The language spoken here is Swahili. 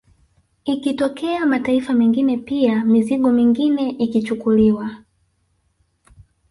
Ikitokea mataifa mengine pia mizigo mingine ikichukuliwa